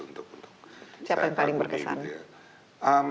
siapa yang paling berkesan